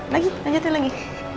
lagi lanjutin lagi